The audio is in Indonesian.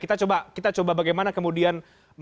kita coba kita coba bagaimana kemudian